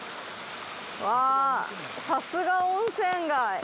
わさすが温泉街。